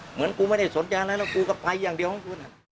เหมือนกูไม่ได้สนใจแล้วแล้วกูก็ไปอย่างเดียว